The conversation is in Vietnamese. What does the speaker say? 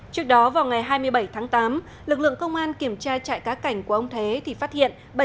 trước đó vào ngày hai mươi bảy tháng tám lực lượng công an kiểm tra trại cá cảnh của ông thế thì phát hiện